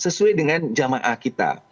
sesuai dengan jamaah kita